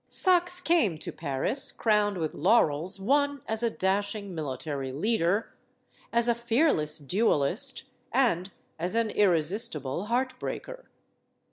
Saxe came to Paris crowned with laurels won as a dashing military leader, as a fearless duelist, and as an irresistible heart breaker.